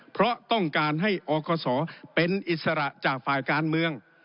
เพราะต้องการให้อคศเป็นอิสระจากฝ่ายการเมือง